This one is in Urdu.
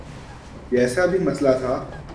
جیسا بھی مسئلہ تھا۔